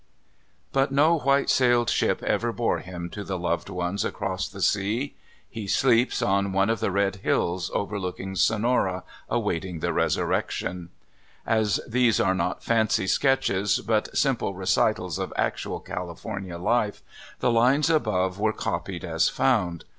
But no "white sailed ship" ever bore him to the loved ones across the sea. He sleeps on one of the red hills overlooking Sonora, awaiting the resurrection. As these are not fancy sketches, but simple re citals of actual California life, the lines above were copied as found.